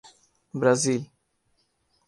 Brazil